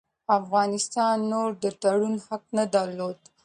افغانستان نور د تړون حق نه درلود.